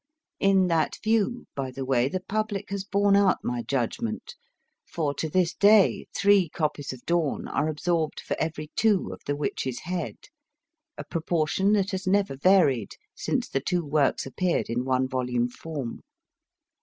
In that view, by the way, the public has borne out my judgment, for to this day three copies of Dawn are absorbed for every two of The Witch s Head, a proportion that has never varied since the two works appeared in one volume form.